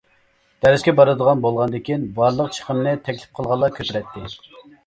دەرسكە بارىدىغان بولغاندىكىن بارلىق چىقىمنى تەكلىپ قىلغانلار كۆتۈرەتتى.